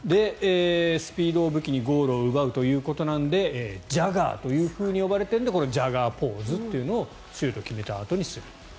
スピードを武器にゴールを奪うということなのでジャガーと呼ばれているのでジャガーポーズというのをシュートを決めたあとにする。